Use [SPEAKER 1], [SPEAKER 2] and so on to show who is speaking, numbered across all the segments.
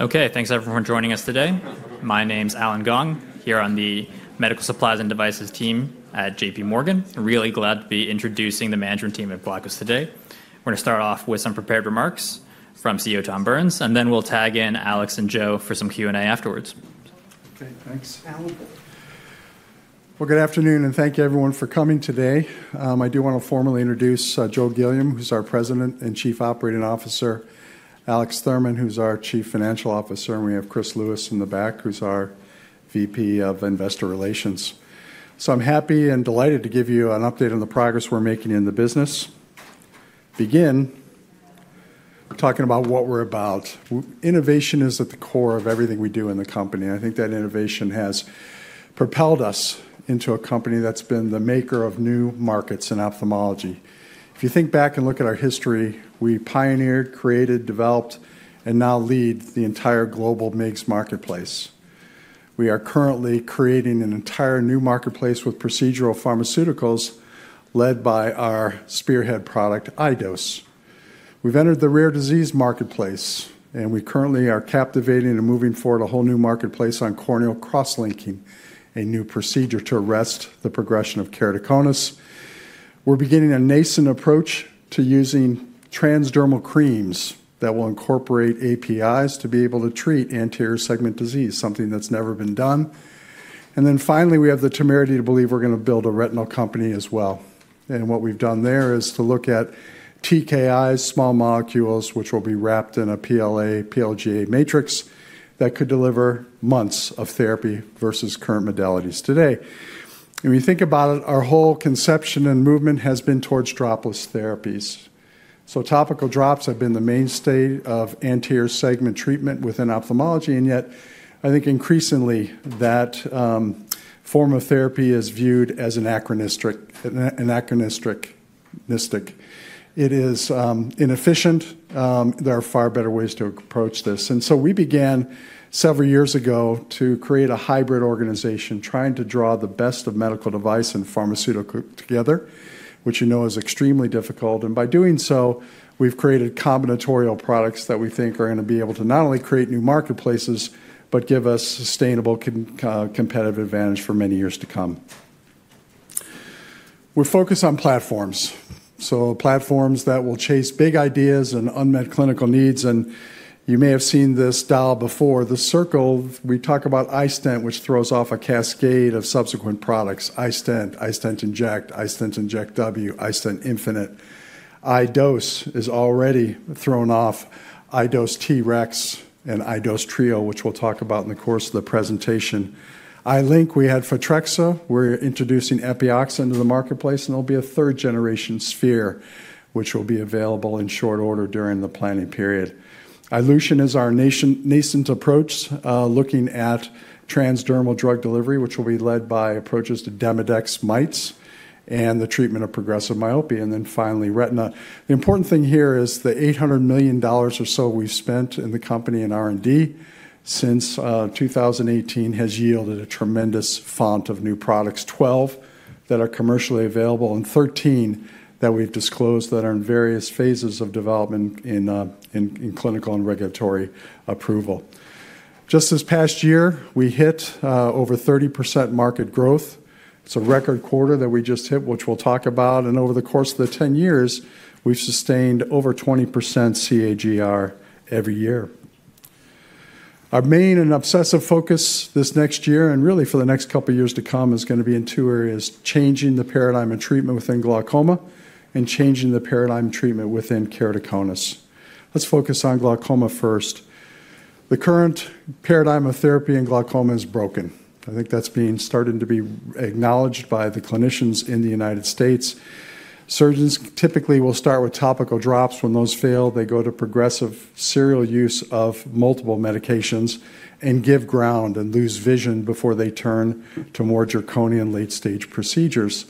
[SPEAKER 1] Okay, thanks everyone for joining us today. My name's Allen Gong, here on the Medical Supplies and Devices team at JPMorgan. Really glad to be introducing the management team at Glaukos today. We're going to start off with some prepared remarks from CEO Tom Burns, and then we'll tag in Alex and Joe for some Q&A afterwards.
[SPEAKER 2] Okay, thanks.
[SPEAKER 3] Allen.
[SPEAKER 2] Good afternoon, and thank you everyone for coming today. I do want to formally introduce Joe Gilliam, who's our President and Chief Operating Officer, Alex Thurman, who's our Chief Financial Officer, and we have Chris Lewis in the back, who's our VP of Investor Relations. I'm happy and delighted to give you an update on the progress we're making in the business. To begin, talking about what we're about. Innovation is at the core of everything we do in the company, and I think that innovation has propelled us into a company that's been the maker of new markets in ophthalmology. If you think back and look at our history, we pioneered, created, developed, and now lead the entire global MIGS marketplace. We are currently creating an entire new marketplace with procedural pharmaceuticals, led by our spearhead product, iDose. We've entered the rare disease marketplace, and we currently are captivating and moving forward a whole new marketplace on corneal cross-linking, a new procedure to arrest the progression of keratoconus. We're beginning a nascent approach to using transdermal creams that will incorporate APIs to be able to treat anterior segment disease, something that's never been done. And then finally, we have the temerity to believe we're going to build a retinal company as well. And what we've done there is to look at TKIs, small molecules, which will be wrapped in a PLA/PLGA matrix that could deliver months of therapy versus current modalities today. And when you think about it, our whole conception and movement has been towards dropless therapies. So topical drops have been the mainstay of anterior segment treatment within ophthalmology, and yet I think increasingly that form of therapy is viewed as anachronistic. It is inefficient. There are far better ways to approach this, and so we began several years ago to create a hybrid organization trying to draw the best of medical device and pharmaceutical together, which you know is extremely difficult. And by doing so, we've created combinatorial products that we think are going to be able to not only create new marketplaces, but give us sustainable competitive advantage for many years to come. We're focused on platforms, so platforms that will chase big ideas and unmet clinical needs, and you may have seen this dial before. The Circle, we talk about iStent, which throws off a cascade of subsequent products, iStent, iStent inject, iStent inject W, iStent infinite. iDose is already thrown off. iDose TREX and iDose Trio, which we'll talk about in the course of the presentation. iLink, we had Photrexa, we're introducing Epioxa to the marketplace, and there'll be a third-generation sphere, which will be available in short order during the planning period. iLution is our nascent approach, looking at transdermal drug delivery, which will be led by approaches to Demodex, mites, and the treatment of progressive myopia, and then finally retina. The important thing here is the $800 million or so we've spent in the company in R&D since 2018 has yielded a tremendous fount of new products, 12 that are commercially available and 13 that we've disclosed that are in various phases of development in clinical and regulatory approval. Just this past year, we hit over 30% market growth. It's a record quarter that we just hit, which we'll talk about. And over the course of the 10 years, we've sustained over 20% CAGR every year. Our main and obsessive focus this next year, and really for the next couple of years to come, is going to be in two areas, changing the paradigm of treatment within glaucoma and changing the paradigm of treatment within keratoconus. Let's focus on glaucoma first. The current paradigm of therapy in glaucoma is broken. I think that's beginning to be acknowledged by the clinicians in the United States. Surgeons typically will start with topical drops. When those fail, they go to progressive serial use of multiple medications and give ground and lose vision before they turn to more draconian late-stage procedures.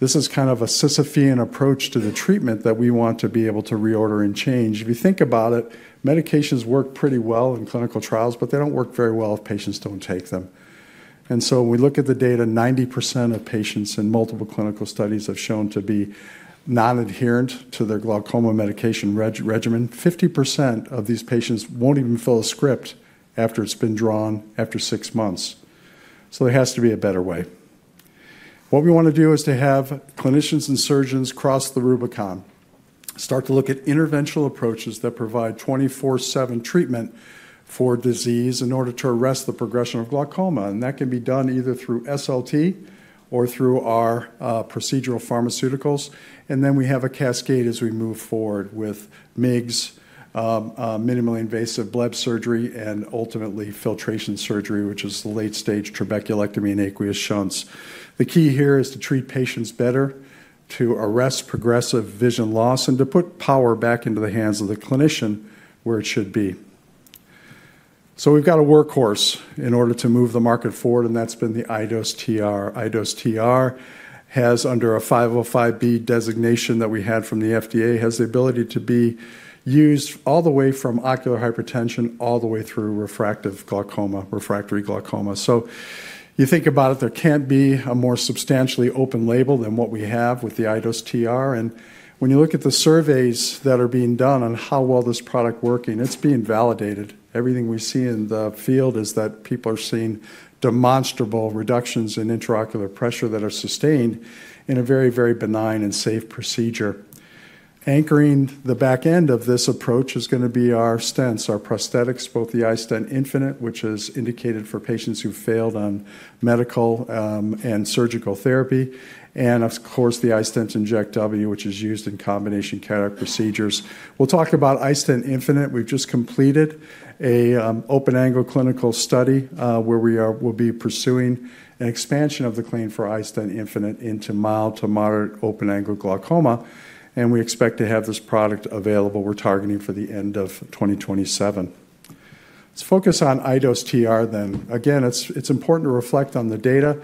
[SPEAKER 2] This is kind of a Sisyphean approach to the treatment that we want to be able to reorder and change. If you think about it, medications work pretty well in clinical trials, but they don't work very well if patients don't take them. And so when we look at the data, 90% of patients in multiple clinical studies have shown to be non-adherent to their glaucoma medication regimen. 50% of these patients won't even fill a script after it's been drawn after six months. So there has to be a better way. What we want to do is to have clinicians and surgeons cross the Rubicon, start to look at interventional approaches that provide 24/7 treatment for disease in order to arrest the progression of glaucoma. And that can be done either through SLT or through our procedural pharmaceuticals. And then we have a cascade as we move forward with MIGS, minimally invasive bleb surgery, and ultimately filtration surgery, which is the late-stage trabeculectomy and aqueous shunts. The key here is to treat patients better, to arrest progressive vision loss, and to put power back into the hands of the clinician where it should be. So we've got a workhorse in order to move the market forward, and that's been the iDose TR. iDose TR has under a 505(b) designation that we had from the FDA, has the ability to be used all the way from ocular hypertension all the way through refractory glaucoma, refractory glaucoma. So you think about it, there can't be a more substantially open label than what we have with the iDose TR. And when you look at the surveys that are being done on how well this product is working, it's being validated. Everything we see in the field is that people are seeing demonstrable reductions in intraocular pressure that are sustained in a very, very benign and safe procedure. Anchoring the back end of this approach is going to be our stents, our prosthetics, both the iStent infinite, which is indicated for patients who failed on medical and surgical therapy, and of course the iStent inject W, which is used in combination cataract procedures. We'll talk about iStent infinite. We've just completed an open-angle clinical study where we will be pursuing an expansion of the claim for iStent infinite into mild to moderate open-angle glaucoma, and we expect to have this product available. We're targeting for the end of 2027. Let's focus on iDose TR then. Again, it's important to reflect on the data.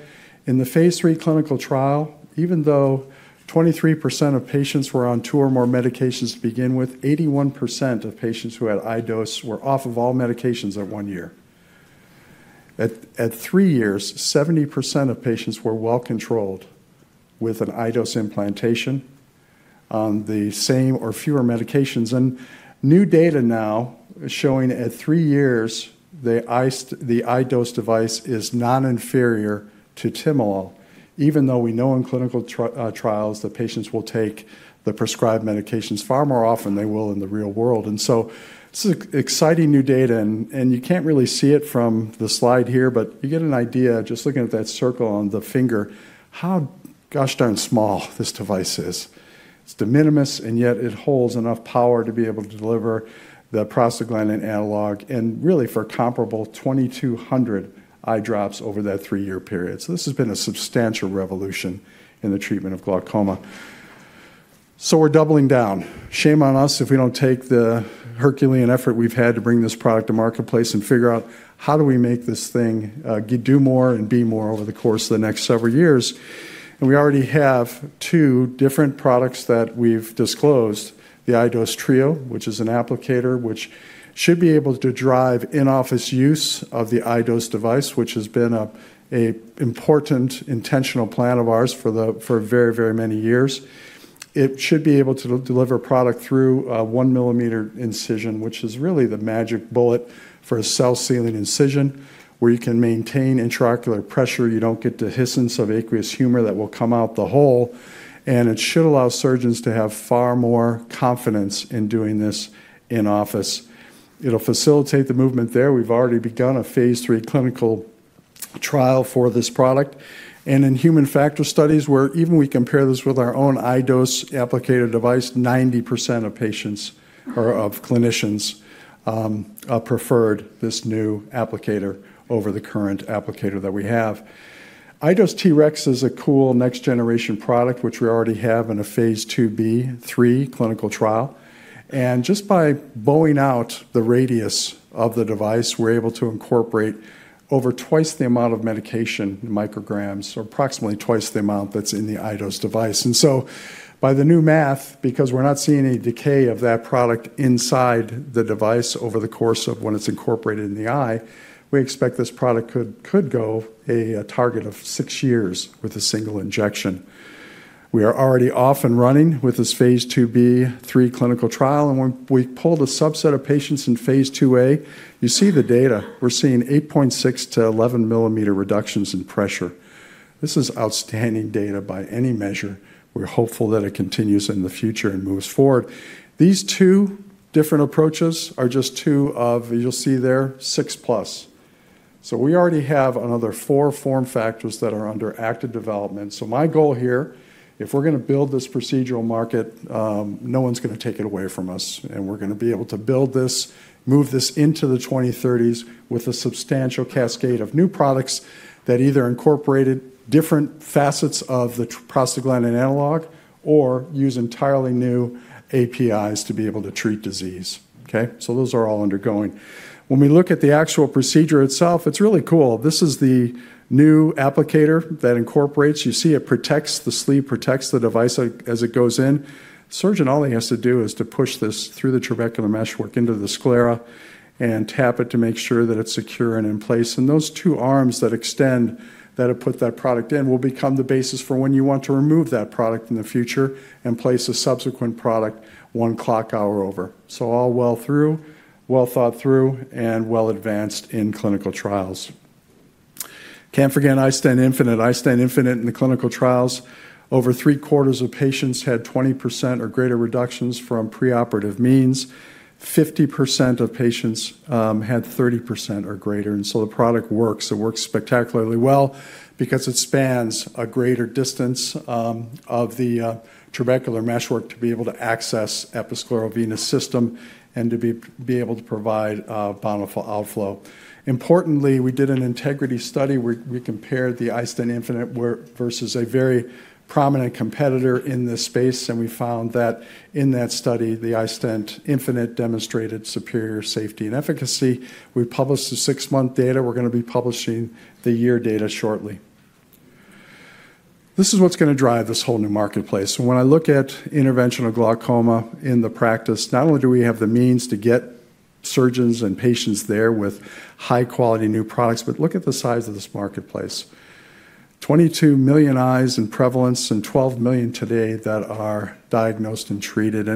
[SPEAKER 2] In the phase III clinical trial, even though 23% of patients were on two or more medications to begin with, 81% of patients who had iDose were off of all medications at one year. At three years, 70% of patients were well controlled with an iDose implantation on the same or fewer medications. New data now is showing at three years, the iDose device is non-inferior to timolol, even though we know in clinical trials that patients will take the prescribed medications far more often than they will in the real world. This is exciting new data, and you can't really see it from the slide here, but you get an idea just looking at that circle on the finger how gosh darn small this device is. It's de minimis, and yet it holds enough power to be able to deliver the prostaglandin analog and really for comparable 2,200 eye drops over that three-year period. This has been a substantial revolution in the treatment of glaucoma. We're doubling down. Shame on us if we don't take the Herculean effort we've had to bring this product to marketplace and figure out how do we make this thing do more and be more over the course of the next several years and we already have two different products that we've disclosed, the iDose Trio, which is an applicator, which should be able to drive in-office use of the iDose device, which has been an important intentional plan of ours for very, very many years. It should be able to deliver product through a one-millimeter incision, which is really the magic bullet for a cell-sealing incision where you can maintain intraocular pressure. You don't get dehiscence of aqueous humor that will come out the hole, and it should allow surgeons to have far more confidence in doing this in office. It'll facilitate the movement there. We've already begun a phase III clinical trial for this product. In human factors studies, where even we compare this with our own iDose applicator device, 90% of patients or of clinicians preferred this new applicator over the current applicator that we have. iDose TREX is a cool next-generation product, which we already have in a phase II-B/III clinical trial. Just by bowing out the radius of the device, we're able to incorporate over twice the amount of medication micrograms, or approximately twice the amount that's in the iDose device. By the new math, because we're not seeing any decay of that product inside the device over the course of when it's incorporated in the eye, we expect this product could go a target of six years with a single injection. We are already off and running with this phase II-B/III clinical trial, and when we pulled a subset of patients in phase II-A, you see the data. We're seeing 8.6 to 11 millimeter reductions in pressure. This is outstanding data by any measure. We're hopeful that it continues in the future and moves forward. These two different approaches are just two of, you'll see there, six+. So we already have another four form factors that are under active development. So my goal here, if we're going to build this procedural market, no one's going to take it away from us, and we're going to be able to build this, move this into the 2030s with a substantial cascade of new products that either incorporated different facets of the prostaglandin analog or use entirely new APIs to be able to treat disease. Okay? So those are all undergoing. When we look at the actual procedure itself, it's really cool. This is the new applicator that incorporates. You see it protects the sleeve, protects the device as it goes in. Surgeon, all he has to do is to push this through the trabecular meshwork into the sclera and tap it to make sure that it's secure and in place, and those two arms that extend, that'll put that product in, will become the basis for when you want to remove that product in the future and place a subsequent product one clock hour over, so all well through, well thought through, and well advanced in clinical trials. Can't forget iStent infinite. iStent infinite in the clinical trials, over three quarters of patients had 20% or greater reductions from preoperative means. 50% of patients had 30% or greater, and so the product works. It works spectacularly well because it spans a greater distance of the trabecular meshwork to be able to access the scleral venous system and to be able to provide powerful outflow. Importantly, we did an integrity study. We compared the iStent infinite versus a very prominent competitor in this space, and we found that in that study, the iStent infinite demonstrated superior safety and efficacy. We published the six-month data. We're going to be publishing the year data shortly. This is what's going to drive this whole new marketplace. When I look at interventional glaucoma in the practice, not only do we have the means to get surgeons and patients there with high-quality new products, but look at the size of this marketplace, 22 million eyes in prevalence and 12 million today that are diagnosed and treated.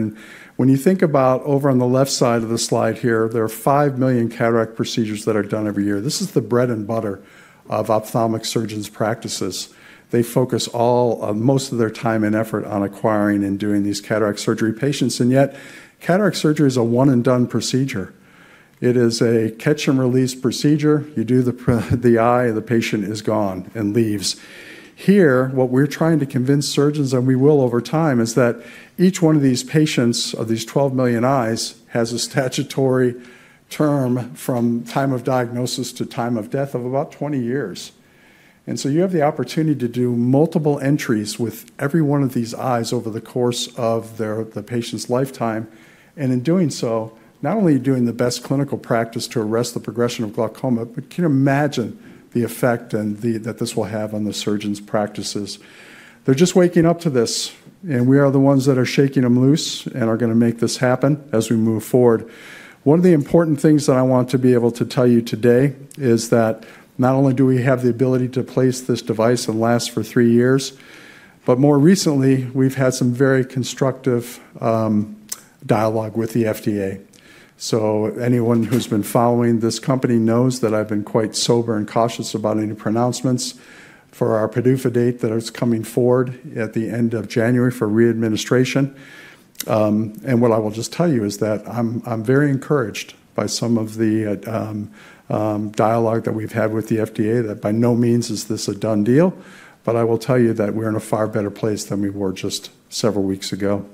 [SPEAKER 2] When you think about over on the left side of the slide here, there are 5 million cataract procedures that are done every year. This is the bread and butter of ophthalmic surgeons' practices. They focus all, most of their time and effort on acquiring and doing these cataract surgery patients. And yet cataract surgery is a one-and-done procedure. It is a catch-and-release procedure. You do the eye, and the patient is gone and leaves. Here, what we're trying to convince surgeons, and we will over time, is that each one of these patients, of these 12 million eyes, has a statutory term from time of diagnosis to time of death of about 20 years. And so you have the opportunity to do multiple entries with every one of these eyes over the course of the patient's lifetime. And in doing so, not only are you doing the best clinical practice to arrest the progression of glaucoma, but can you imagine the effect that this will have on the surgeon's practices? They're just waking up to this, and we are the ones that are shaking them loose and are going to make this happen as we move forward. One of the important things that I want to be able to tell you today is that not only do we have the ability to place this device and last for three years, but more recently, we've had some very constructive dialogue with the FDA. So anyone who's been following this company knows that I've been quite sober and cautious about any pronouncements for our PDUFA date that is coming forward at the end of January for readministration. And what I will just tell you is that I'm very encouraged by some of the dialogue that we've had with the FDA, that by no means is this a done deal, but I will tell you that we're in a far better place than we were just several weeks ago.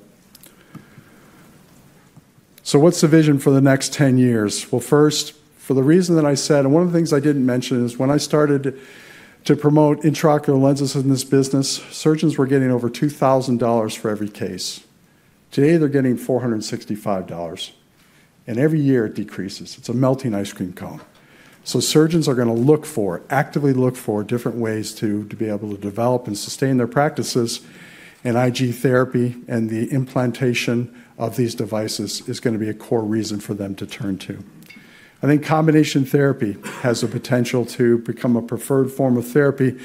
[SPEAKER 2] So what's the vision for the next 10 years? Well, first, for the reason that I said, and one of the things I didn't mention is when I started to promote intraocular lenses in this business, surgeons were getting over $2,000 for every case. Today, they're getting $465, and every year it decreases. It's a melting ice cream cone. So surgeons are going to look for, actively look for different ways to be able to develop and sustain their practices, and IG therapy and the implantation of these devices is going to be a core reason for them to turn to. I think combination therapy has the potential to become a preferred form of therapy.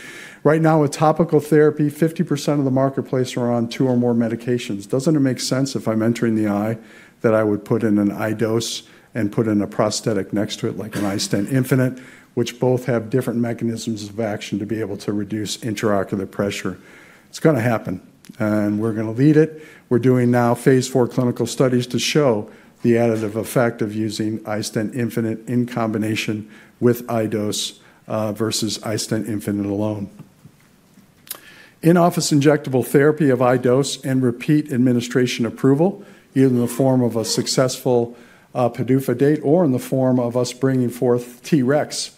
[SPEAKER 2] Right now, with topical therapy, 50% of the marketplace are on two or more medications. Doesn't it make sense if I'm entering the eye that I would put in an iDose and put in a prosthetic next to it, like an iStent infinite, which both have different mechanisms of action to be able to reduce intraocular pressure? It's going to happen, and we're going to lead it. We're doing now phase IV clinical studies to show the additive effect of using iStent infinite in combination with iDose versus iStent infinite alone. In-office injectable therapy of iDose and repeat administration approval, either in the form of a successful PDUFA date or in the form of us bringing forth iDose TREX,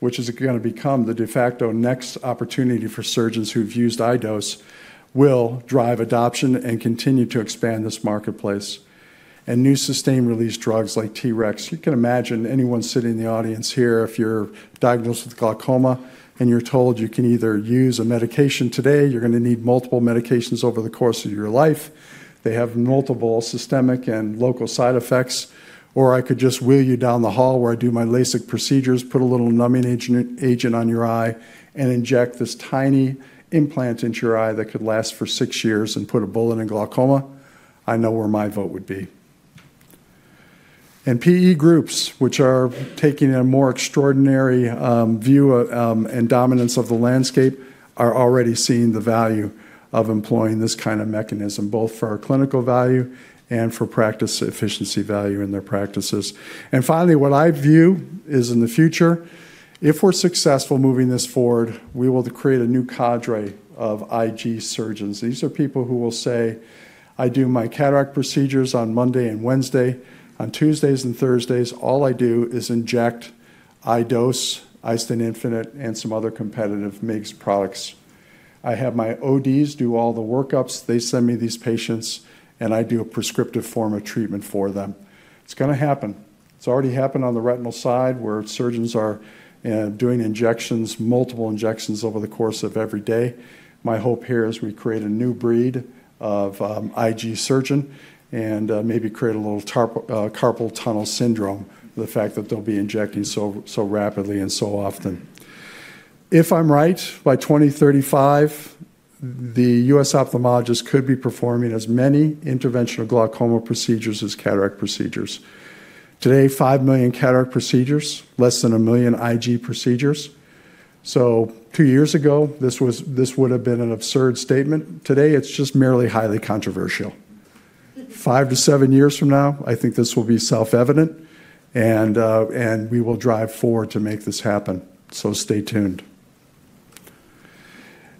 [SPEAKER 2] which is going to become the de facto next opportunity for surgeons who've used iDose, will drive adoption and continue to expand this marketplace, and new sustained-release drugs like iDose TREX. You can imagine anyone sitting in the audience here, if you're diagnosed with glaucoma and you're told you can either use a medication today, you're going to need multiple medications over the course of your life. They have multiple systemic and local side effects, or I could just wheel you down the hall where I do my LASIK procedures, put a little numbing agent on your eye, and inject this tiny implant into your eye that could last for six years and put a bullet in glaucoma. I know where my vote would be. And PE groups, which are taking a more extraordinary view and dominance of the landscape, are already seeing the value of employing this kind of mechanism, both for our clinical value and for practice efficiency value in their practices. And finally, what I view is in the future, if we're successful moving this forward, we will create a new cadre of IG surgeons. These are people who will say, I do my cataract procedures on Monday and Wednesday. On Tuesdays and Thursdays, all I do is inject iDose, iStent infinite, and some other competitive MIGS products. I have my ODs do all the workups. They send me these patients, and I do a prescriptive form of treatment for them. It's going to happen. It's already happened on the retinal side where surgeons are doing injections, multiple injections over the course of every day. My hope here is we create a new breed of IG surgeon and maybe create a little carpal tunnel syndrome, the fact that they'll be injecting so rapidly and so often. If I'm right, by 2035, the U.S. ophthalmologist could be performing as many interventional glaucoma procedures as cataract procedures. Today, five million cataract procedures, less than a million IG procedures. So two years ago, this would have been an absurd statement. Today, it's just merely highly controversial. Five to seven years from now, I think this will be self-evident, and we will drive forward to make this happen. So stay tuned.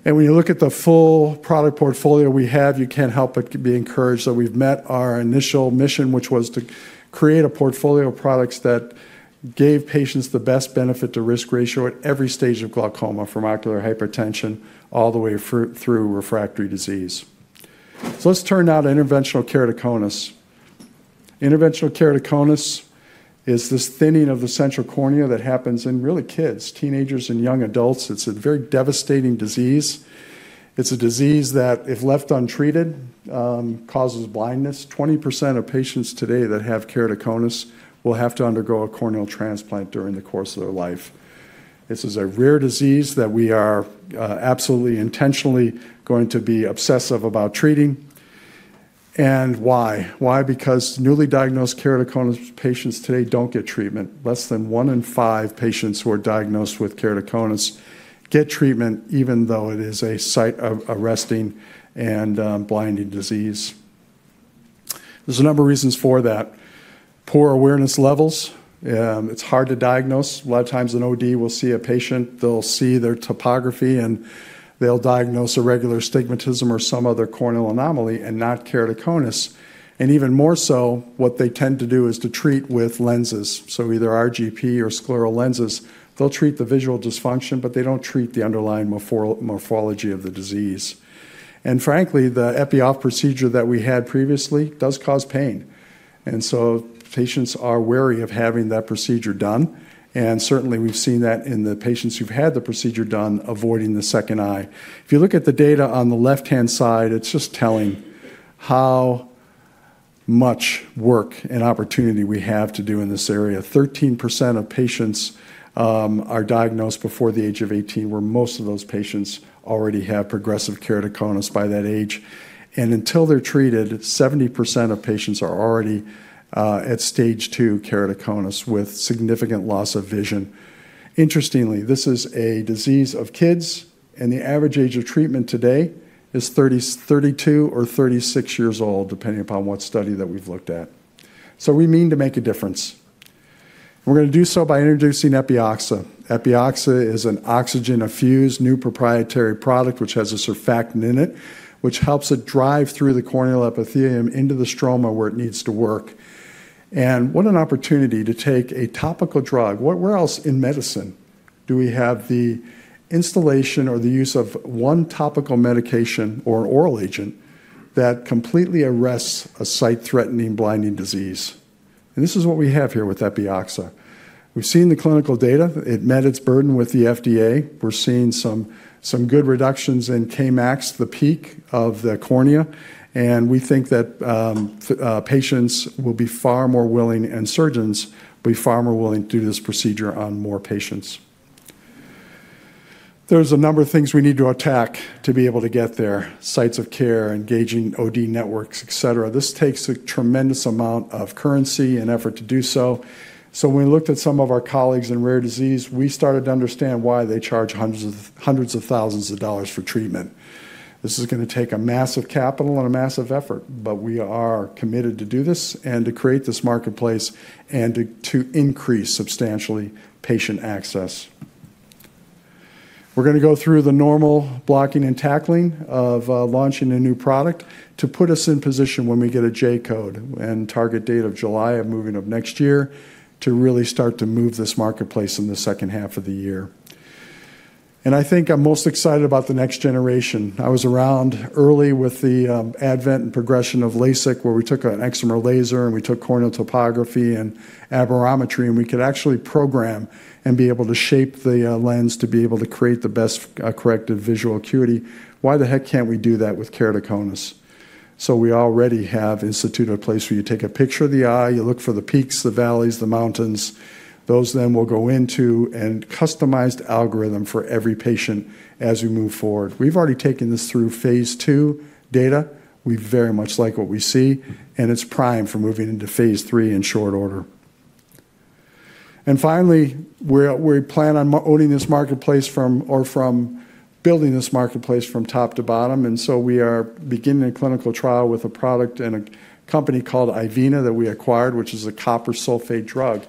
[SPEAKER 2] And when you look at the full product portfolio we have, you can't help but be encouraged that we've met our initial mission, which was to create a portfolio of products that gave patients the best benefit to risk ratio at every stage of glaucoma, from ocular hypertension all the way through refractory disease. So let's turn now to interventional keratoconus. Interventional keratoconus is this thinning of the central cornea that happens in really kids, teenagers, and young adults. It's a very devastating disease. It's a disease that, if left untreated, causes blindness. 20% of patients today that have keratoconus will have to undergo a corneal transplant during the course of their life. This is a rare disease that we are absolutely intentionally going to be obsessive about treating. And why? Why? Because newly diagnosed keratoconus patients today don't get treatment. Less than one in five patients who are diagnosed with keratoconus get treatment, even though it is a sight of arresting and blinding disease. There's a number of reasons for that. Poor awareness levels. It's hard to diagnose. A lot of times an OD will see a patient, they'll see their topography, and they'll diagnose irregular astigmatism or some other corneal anomaly and not keratoconus. And even more so, what they tend to do is to treat with lenses. So either RGP or scleral lenses, they'll treat the visual dysfunction, but they don't treat the underlying morphology of the disease. And frankly, the epi-off procedure that we had previously does cause pain. And so patients are wary of having that procedure done. And certainly, we've seen that in the patients who've had the procedure done, avoiding the second eye. If you look at the data on the left-hand side, it's just telling how much work and opportunity we have to do in this area. 13% of patients are diagnosed before the age of 18, where most of those patients already have progressive keratoconus by that age. And until they're treated, 70% of patients are already at stage two keratoconus with significant loss of vision. Interestingly, this is a disease of kids, and the average age of treatment today is 32 or 36 years old, depending upon what study that we've looked at. So we mean to make a difference. We're going to do so by introducing Epioxa. Epioxa is an oxygen-infused new proprietary product which has a surfactant in it, which helps it drive through the corneal epithelium into the stroma where it needs to work. And what an opportunity to take a topical drug. Where else in medicine do we have the installation or the use of one topical medication or an oral agent that completely arrests a sight-threatening blinding disease, and this is what we have here with Epioxa? We've seen the clinical data. It met its burden with the FDA. We're seeing some good reductions in Kmax, the peak of the cornea, and we think that patients will be far more willing, and surgeons will be far more willing to do this procedure on more patients. There's a number of things we need to attack to be able to get there: sites of care, engaging OD networks, etc. This takes a tremendous amount of currency and effort to do so, so when we looked at some of our colleagues in rare disease, we started to understand why they charge hundreds of thousands of dollars for treatment. This is going to take a massive capital and a massive effort, but we are committed to do this and to create this marketplace and to increase substantially patient access. We're going to go through the normal blocking and tackling of launching a new product to put us in position when we get a J-code and target date of July of moving up next year to really start to move this marketplace in the second half of the year, and I think I'm most excited about the next generation. I was around early with the advent and progression of LASIK, where we took an excimer laser and we took corneal topography and aberrometry, and we could actually program and be able to shape the lens to be able to create the best corrected visual acuity. Why the heck can't we do that with keratoconus? So we already have instituted a place where you take a picture of the eye, you look for the peaks, the valleys, the mountains. Those then will go into a customized algorithm for every patient as we move forward. We've already taken this through phase II data. We very much like what we see, and it's prime for moving into phase III in short order. And finally, we plan on owning this marketplace from or building this marketplace from top to bottom. And so we are beginning a clinical trial with a product and a company called iVeena that we acquired, which is a copper sulfate drug.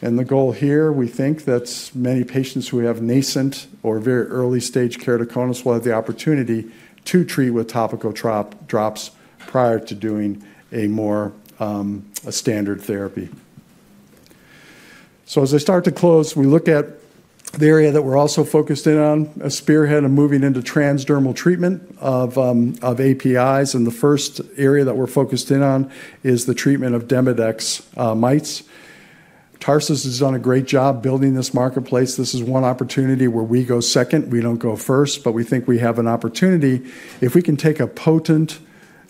[SPEAKER 2] And the goal here, we think that many patients who have nascent or very early stage keratoconus will have the opportunity to treat with topical drops prior to doing a more standard therapy. As I start to close, we look at the area that we're also focused in on, a spearhead of moving into transdermal treatment of APIs. The first area that we're focused in on is the treatment of Demodex mites. Tarsus has done a great job building this marketplace. This is one opportunity where we go second. We don't go first, but we think we have an opportunity. If we can take a potent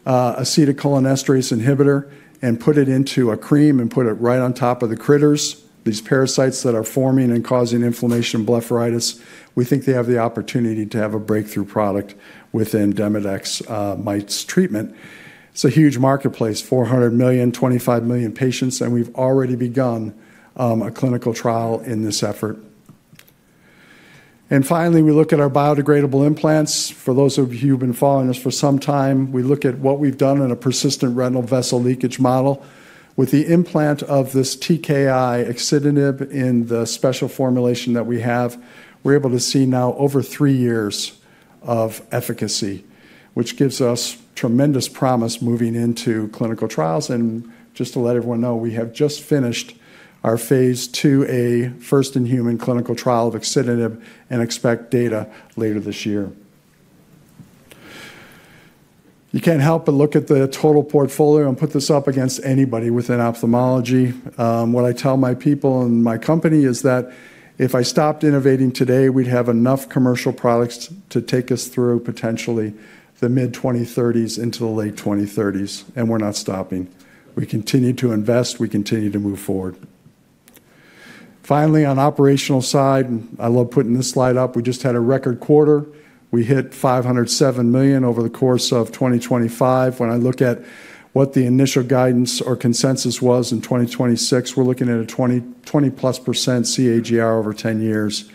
[SPEAKER 2] acetylcholinesterase inhibitor and put it into a cream and put it right on top of the critters, these parasites that are forming and causing inflammation and blepharitis, we think they have the opportunity to have a breakthrough product within Demodex mites treatment. It's a huge marketplace, $400 million, 25 million patients, and we've already begun a clinical trial in this effort. Finally, we look at our biodegradable implants. For those of you who've been following us for some time, we look at what we've done in a persistent retinal vessel leakage model. With the implant of this TKI axitinib in the special formulation that we have, we're able to see now over three years of efficacy, which gives us tremendous promise moving into clinical trials. And just to let everyone know, we have just finished our phase II-A, first in human clinical trial of axitinib and expect data later this year. You can't help but look at the total portfolio and put this up against anybody within ophthalmology. What I tell my people and my company is that if I stopped innovating today, we'd have enough commercial products to take us through potentially the mid-2030s into the late 2030s, and we're not stopping. We continue to invest. We continue to move forward. Finally, on the operational side, and I love putting this slide up, we just had a record quarter. We hit $507 million over the course of 2025. When I look at what the initial guidance or consensus was in 2026, we're looking at a 20-plus% CAGR over 10 years.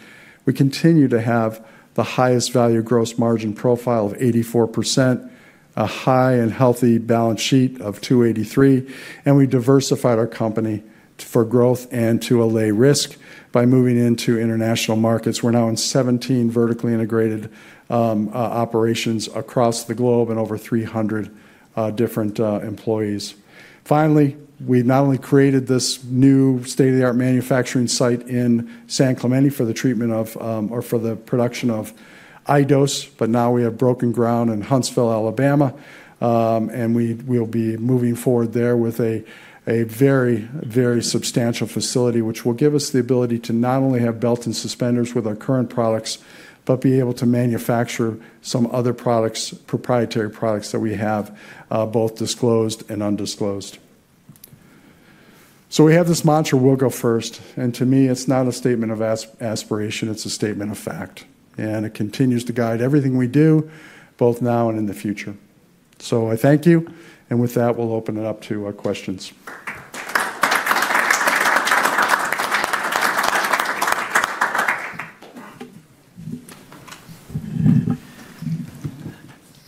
[SPEAKER 2] We continue to have the highest value gross margin profile of 84%, a high and healthy balance sheet of $283 million, and we diversified our company for growth and to allay risk by moving into international markets. We're now in 17 vertically integrated operations across the globe and over 300 different employees. Finally, we not only created this new state-of-the-art manufacturing site in San Clemente for the treatment of or for the production of iDose, but now we have broken ground in Huntsville, Alabama, and we will be moving forward there with a very, very substantial facility. Which will give us the ability to not only have belt and suspenders with our current products, but be able to manufacture some other products, proprietary products that we have both disclosed and undisclosed. So we have this mantra, we'll go first. And to me, it's not a statement of aspiration. It's a statement of fact. And it continues to guide everything we do, both now and in the future. So I thank you. And with that, we'll open it up to questions.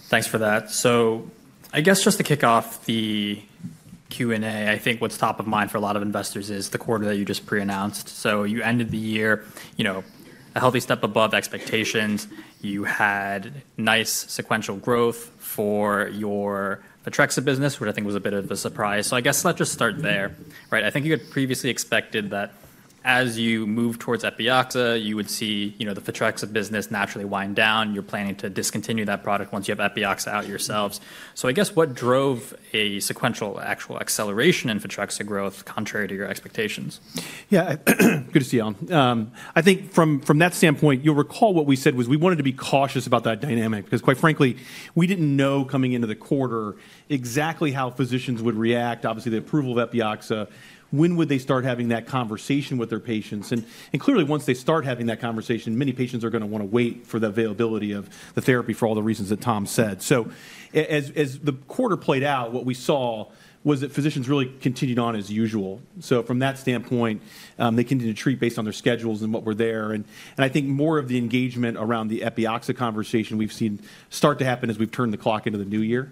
[SPEAKER 1] Thanks for that. So I guess just to kick off the Q&A, I think what's top of mind for a lot of investors is the quarter that you just pre-announced. So you ended the year a healthy step above expectations. You had nice sequential growth for your Photrexa business, which I think was a bit of a surprise. So I guess let's just start there. I think you had previously expected that as you move towards Epioxa, you would see the Photrexa business naturally wind down. You're planning to discontinue that product once you have Epioxa out yourselves. So I guess what drove a sequential actual acceleration in Photrexa growth, contrary to your expectations?
[SPEAKER 3] Yeah. Good to see you all. I think from that standpoint, you'll recall what we said was we wanted to be cautious about that dynamic because, quite frankly, we didn't know coming into the quarter exactly how physicians would react, obviously the approval of Epioxa. When would they start having that conversation with their patients? And clearly, once they start having that conversation, many patients are going to want to wait for the availability of the therapy for all the reasons that Tom said. So as the quarter played out, what we saw was that physicians really continued on as usual. So from that standpoint, they continued to treat based on their schedules and what were there. And I think more of the engagement around the Epioxa conversation we've seen start to happen as we've turned the clock into the new year.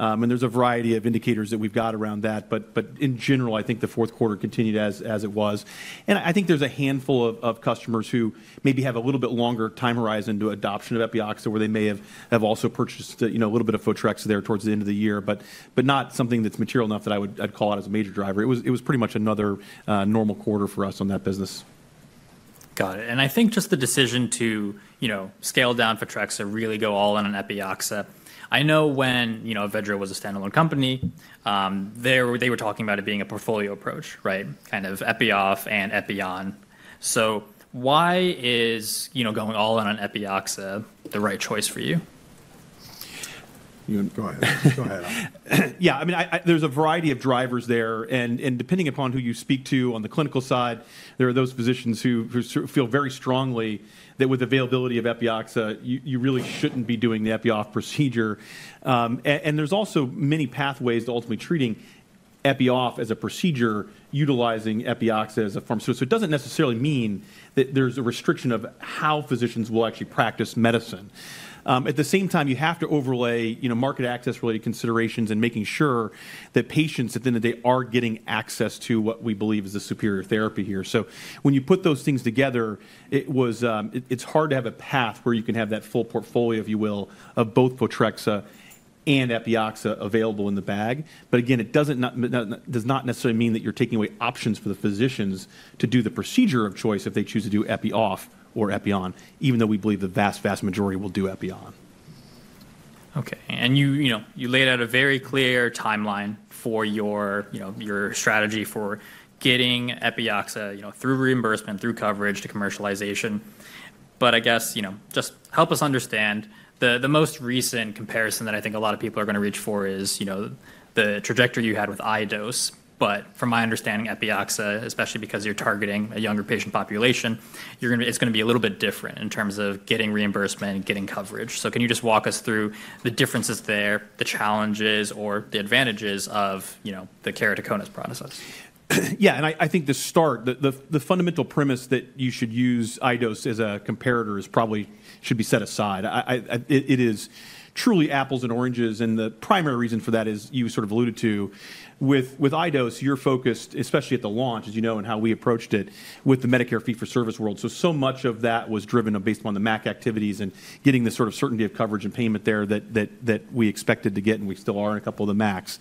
[SPEAKER 3] And there's a variety of indicators that we've got around that. But in general, I think the fourth quarter continued as it was. And I think there's a handful of customers who maybe have a little bit longer time horizon to adoption of Epioxa, where they may have also purchased a little bit of Photrexa there towards the end of the year, but not something that's material enough that I'd call out as a major driver. It was pretty much another normal quarter for us on that business.
[SPEAKER 1] Got it, and I think just the decision to scale down Photrexa and really go all in on Epioxa. I know when Avedro was a standalone company, they were talking about it being a portfolio approach, kind of epi-off and epi-on. So why is going all in on Epioxa the right choice for you?
[SPEAKER 4] Go ahead. Go ahead.
[SPEAKER 3] Yeah. I mean, there's a variety of drivers there. And depending upon who you speak to on the clinical side, there are those physicians who feel very strongly that with availability of Epioxa, you really shouldn't be doing the epi-off procedure. And there's also many pathways to ultimately treating epi-off as a procedure, utilizing Epioxa as a form. So it doesn't necessarily mean that there's a restriction of how physicians will actually practice medicine. At the same time, you have to overlay market access-related considerations and making sure that patients at the end of the day are getting access to what we believe is the superior therapy here. So when you put those things together, it's hard to have a path where you can have that full portfolio, if you will, of both Photrexa and Epioxa available in the bag. But again, it does not necessarily mean that you're taking away options for the physicians to do the procedure of choice if they choose to do epi-off or epi-on, even though we believe the vast, vast majority will do epi-on.
[SPEAKER 1] Okay, and you laid out a very clear timeline for your strategy for getting Epioxa through reimbursement, through coverage to commercialization. But I guess just help us understand the most recent comparison that I think a lot of people are going to reach for is the trajectory you had with iDose. But from my understanding, Epioxa, especially because you're targeting a younger patient population, it's going to be a little bit different in terms of getting reimbursement and getting coverage. So can you just walk us through the differences there, the challenges, or the advantages of the keratoconus process?
[SPEAKER 3] Yeah. And I think the start, the fundamental premise that you should use iDose as a comparator should be set aside. It is truly apples and oranges. And the primary reason for that, as you sort of alluded to, with iDose, you're focused, especially at the launch, as you know, and how we approached it with the Medicare fee-for-service world. So much of that was driven based upon the MAC activities and getting the sort of certainty of coverage and payment there that we expected to get, and we still are in a couple of the MACs.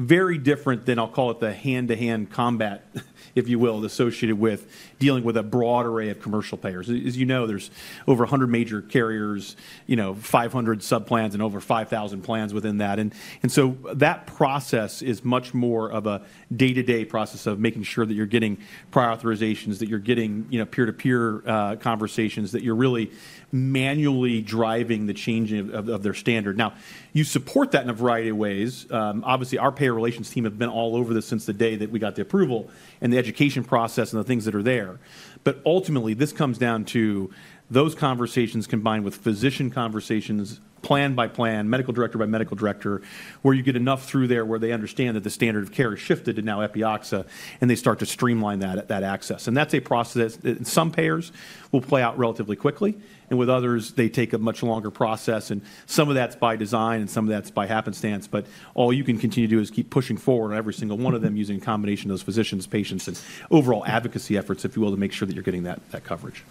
[SPEAKER 3] Very different than, I'll call it, the hand-to-hand combat, if you will, associated with dealing with a broad array of commercial payers. As you know, there's over 100 major carriers, 500 subplans, and over 5,000 plans within that. And so that process is much more of a day-to-day process of making sure that you're getting prior authorizations, that you're getting peer-to-peer conversations, that you're really manually driving the change of their standard. Now, you support that in a variety of ways. Obviously, our payer relations team have been all over this since the day that we got the approval and the education process and the things that are there. But ultimately, this comes down to those conversations combined with physician conversations, plan by plan, medical director by medical director, where you get enough through there where they understand that the standard of care has shifted to now Epioxa, and they start to streamline that access. And that's a process that some payers will play out relatively quickly, and with others, they take a much longer process. And some of that's by design, and some of that's by happenstance. But all you can continue to do is keep pushing forward on every single one of them, using a combination of those physicians, patients, and overall advocacy efforts, if you will, to make sure that you're getting that coverage.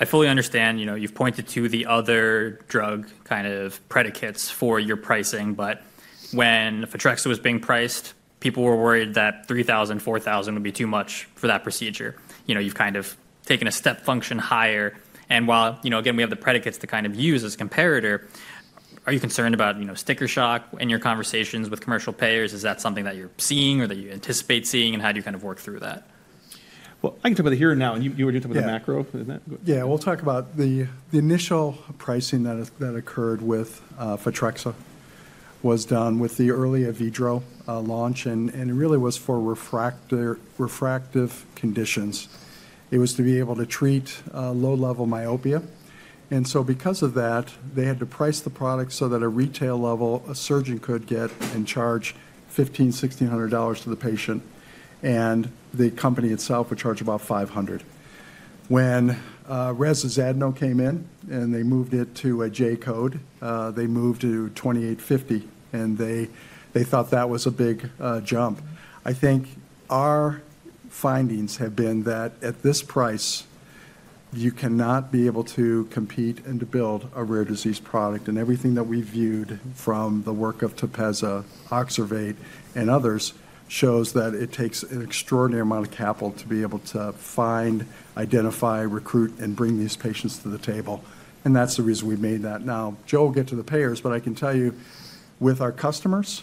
[SPEAKER 1] I fully understand you've pointed to the other drug kind of predicates for your pricing, but when Photrexa was being priced, people were worried that $3,000-$4,000 would be too much for that procedure. You've kind of taken a step function higher, and while again, we have the predicates to kind of use as a comparator, are you concerned about sticker shock in your conversations with commercial payers? Is that something that you're seeing or that you anticipate seeing, and how do you kind of work through that?
[SPEAKER 3] I can talk about the here and now. You were talking about the macro. Isn't that good?
[SPEAKER 2] Yeah. We'll talk about the initial pricing that occurred with Photrexa was done with the early in vitro launch, and it really was for refractive conditions. It was to be able to treat low-level myopia. And so because of that, they had to price the product so that at retail level, a surgeon could get and charge $1,500-$1,600 to the patient, and the company itself would charge about $500. When Reza Zadno came in and they moved it to a J-code, they moved to $2,850, and they thought that was a big jump. I think our findings have been that at this price, you cannot be able to compete and to build a rare disease product. Everything that we viewed from the work of Tepezza, Oxervate, and others shows that it takes an extraordinary amount of capital to be able to find, identify, recruit, and bring these patients to the table. That's the reason we made that. Now, Joe will get to the payers, but I can tell you with our customers,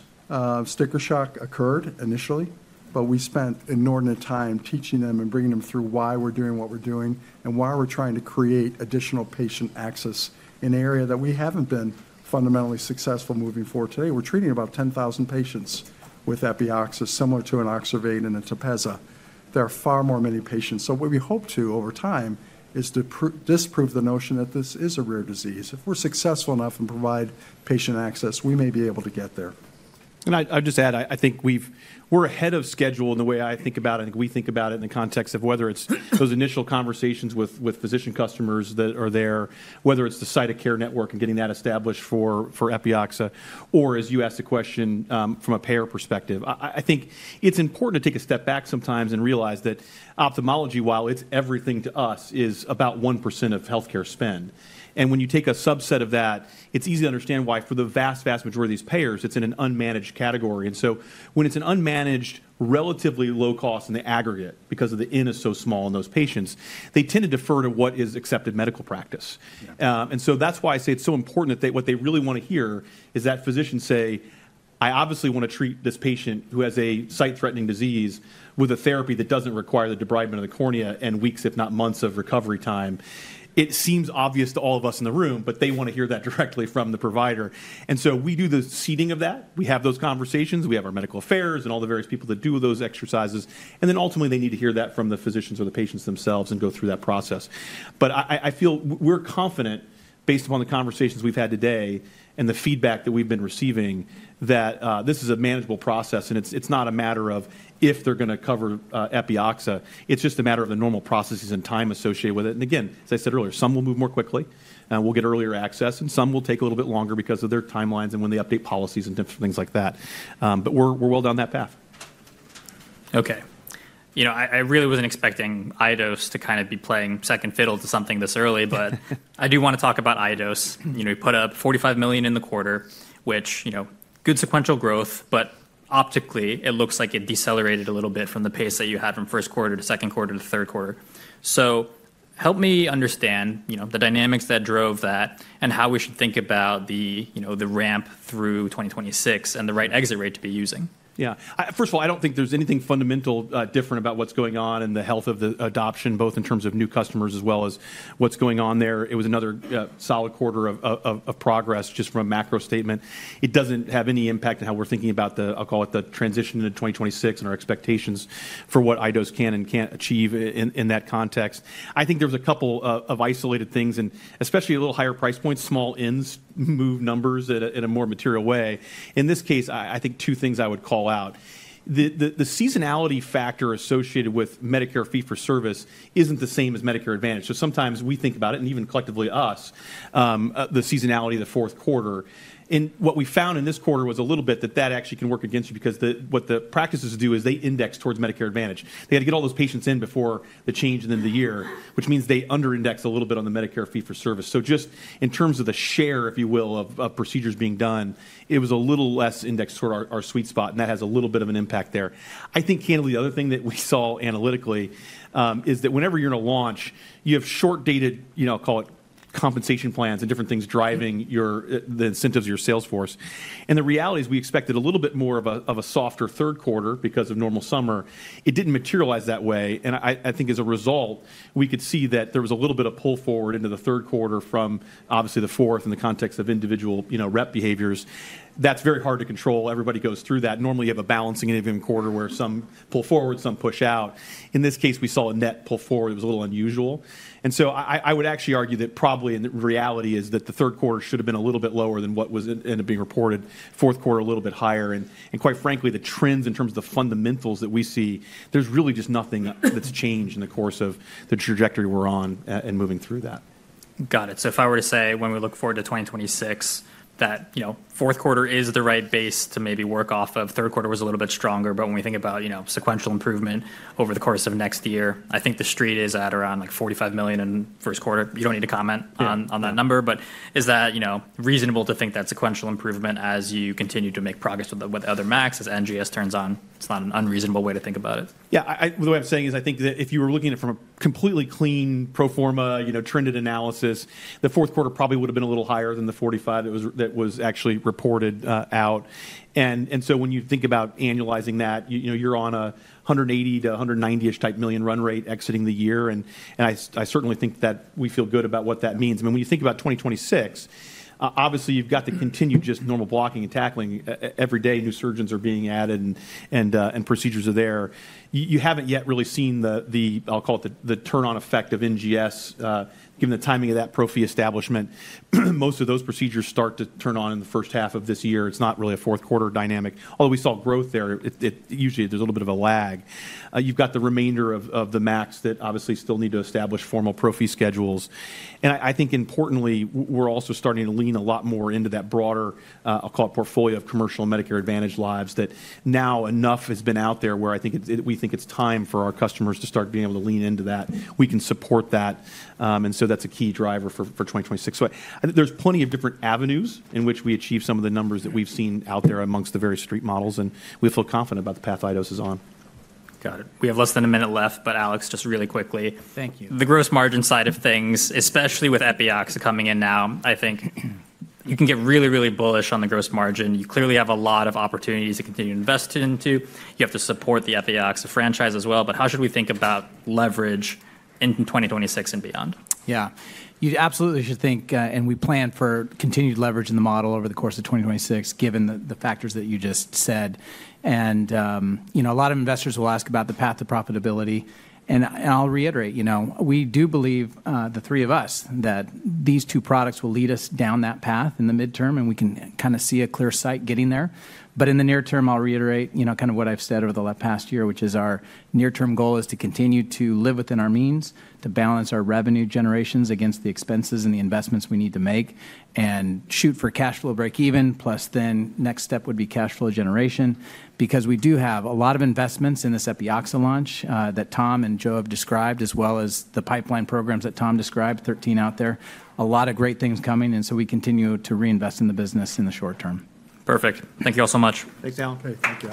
[SPEAKER 2] sticker shock occurred initially, but we spent inordinate time teaching them and bringing them through why we're doing what we're doing and why we're trying to create additional patient access in an area that we haven't been fundamentally successful moving forward today. We're treating about 10,000 patients with Epioxa, similar to an Oxervate and a Tepezza. There are far more many patients. So what we hope to, over time, is disprove the notion that this is a rare disease. If we're successful enough and provide patient access, we may be able to get there.
[SPEAKER 3] I'll just add, I think we're ahead of schedule in the way I think about it. I think we think about it in the context of whether it's those initial conversations with physician customers that are there, whether it's the site of care network and getting that established for Epioxa, or as you asked the question from a payer perspective. I think it's important to take a step back sometimes and realize that ophthalmology, while it's everything to us, is about 1% of healthcare spend. And when you take a subset of that, it's easy to understand why for the vast, vast majority of these payers, it's in an unmanaged category. And so when it's an unmanaged, relatively low cost in the aggregate because the in is so small in those patients, they tend to defer to what is accepted medical practice. And so that's why I say it's so important that what they really want to hear is that physicians say, I obviously want to treat this patient who has a sight-threatening disease with a therapy that doesn't require the debridement of the cornea and weeks, if not months, of recovery time." It seems obvious to all of us in the room, but they want to hear that directly from the provider. And so we do the seeding of that. We have those conversations. We have our medical affairs and all the various people that do those exercises. And then ultimately, they need to hear that from the physicians or the patients themselves and go through that process. But I feel we're confident, based upon the conversations we've had today and the feedback that we've been receiving, that this is a manageable process, and it's not a matter of if they're going to cover Epioxa. It's just a matter of the normal processes and time associated with it. And again, as I said earlier, some will move more quickly and will get earlier access, and some will take a little bit longer because of their timelines and when they update policies and different things like that. But we're well down that path.
[SPEAKER 1] Okay. I really wasn't expecting iDose to kind of be playing second fiddle to something this early, but I do want to talk about iDose. You put up $45 million in the quarter, which good sequential growth, but optically, it looks like it decelerated a little bit from the pace that you had from first quarter to second quarter to third quarter. So help me understand the dynamics that drove that and how we should think about the ramp through 2026 and the right exit rate to be using?
[SPEAKER 3] Yeah. First of all, I don't think there's anything fundamental different about what's going on and the health of the adoption, both in terms of new customers as well as what's going on there. It was another solid quarter of progress just from a macro statement. It doesn't have any impact on how we're thinking about the, I'll call it, the transition into 2026 and our expectations for what iDose can and can't achieve in that context. I think there was a couple of isolated things, and especially a little higher price points, small ins move numbers in a more material way. In this case, I think two things I would call out. The seasonality factor associated with Medicare fee-for-service isn't the same as Medicare Advantage. So sometimes we think about it, and even collectively us, the seasonality of the fourth quarter. What we found in this quarter was a little bit that actually can work against you because what the practices do is they index towards Medicare Advantage. They had to get all those patients in before the change in the end of the year, which means they underindex a little bit on the Medicare fee-for-service. So just in terms of the share, if you will, of procedures being done, it was a little less indexed toward our sweet spot, and that has a little bit of an impact there. I think, candidly, the other thing that we saw analytically is that whenever you're in a launch, you have short-dated, I'll call it, compensation plans and different things driving the incentives of your sales force. And the reality is we expected a little bit more of a softer third quarter because of normal summer. It didn't materialize that way. I think as a result, we could see that there was a little bit of pull forward into the third quarter from obviously the fourth in the context of individual rep behaviors. That's very hard to control. Everybody goes through that. Normally, you have a balancing in the end of the quarter where some pull forward, some push out. In this case, we saw a net pull forward. It was a little unusual. So I would actually argue that probably the reality is that the third quarter should have been a little bit lower than what ended up being reported, fourth quarter a little bit higher. Quite frankly, the trends in terms of the fundamentals that we see, there's really just nothing that's changed in the course of the trajectory we're on and moving through that.
[SPEAKER 1] Got it. So if I were to say when we look forward to 2026, that fourth quarter is the right base to maybe work off of, third quarter was a little bit stronger, but when we think about sequential improvement over the course of next year, I think the street is at around like $45 million in first quarter. You don't need to comment on that number, but is that reasonable to think that sequential improvement as you continue to make progress with other MACs, as NGS turns on? It's not an unreasonable way to think about it.
[SPEAKER 3] Yeah. The way I'm saying is I think that if you were looking at it from a completely clean pro forma trended analysis, the fourth quarter probably would have been a little higher than the $45 that was actually reported out. And so when you think about annualizing that, you're on a $180 million-$190 million run rate exiting the year. And I certainly think that we feel good about what that means. I mean, when you think about 2026, obviously, you've got to continue just normal blocking and tackling. Every day, new surgeons are being added, and procedures are there. You haven't yet really seen the, I'll call it, the turn-on effect of NGS given the timing of that pro fee establishment. Most of those procedures start to turn on in the first half of this year. It's not really a fourth quarter dynamic. Although we saw growth there, usually there's a little bit of a lag. You've got the remainder of the MACs that obviously still need to establish formal pro fee schedules, and I think importantly, we're also starting to lean a lot more into that broader, I'll call it, portfolio of commercial and Medicare Advantage lives that now enough has been out there where I think we think it's time for our customers to start being able to lean into that. We can support that, and so that's a key driver for 2026, so there's plenty of different avenues in which we achieve some of the numbers that we've seen out there amongst the various street models, and we feel confident about the path iDose is on.
[SPEAKER 1] Got it. We have less than a minute left, but Alex, just really quickly.
[SPEAKER 5] Thank you.
[SPEAKER 1] The gross margin side of things, especially with Epioxa coming in now, I think you can get really, really bullish on the gross margin. You clearly have a lot of opportunities to continue to invest into. You have to support the Epioxa franchise as well. But how should we think about leverage in 2026 and beyond?
[SPEAKER 5] Yeah. You absolutely should think, and we plan for continued leverage in the model over the course of 2026, given the factors that you just said. And a lot of investors will ask about the path to profitability. And I'll reiterate, we do believe, the three of us, that these two products will lead us down that path in the midterm, and we can kind of see a clear sight getting there. But in the near term, I'll reiterate kind of what I've said over the last past year, which is our near-term goal is to continue to live within our means, to balance our revenue generations against the expenses and the investments we need to make, and shoot for cash flow break-even. Plus, then next step would be cash flow generation because we do have a lot of investments in this Epioxa launch that Tom and Joe have described, as well as the pipeline programs that Tom described, 13 out there. A lot of great things coming, and so we continue to reinvest in the business in the short term.
[SPEAKER 1] Perfect. Thank you all so much.
[SPEAKER 4] Thanks, Allen
[SPEAKER 2] Thanks.